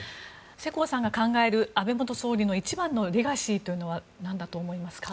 世耕さんが考える安倍元総理の一番のレガシーは何だと思いますか。